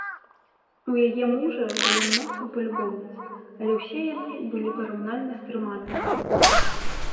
У яе мужа было мноства палюбоўніц, але ўсе яны былі параўнальна стрыманыя.